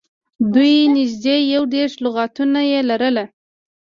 دوی نږدې یو دېرش لغاتونه یې لرل.